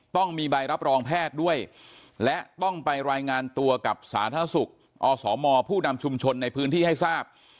ต้องมีใบรับรองแพทย์ด้วยและต้องไปรายงานตัวกับสาธารณสุขอสมผู้นำชุมชนในพื้นที่ให้ทราบ